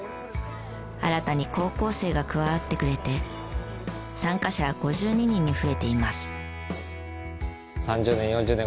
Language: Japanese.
新たに高校生が加わってくれて参加者は５２人に増えています。